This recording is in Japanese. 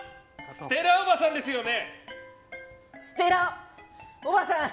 ステラおばさんですよね？